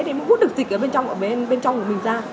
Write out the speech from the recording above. thì nó vút được dịch ở bên trong của mình ra